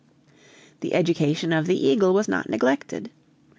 The education of the eagle was not neglected.